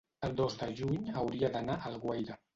el dos de juny hauria d'anar a Alguaire.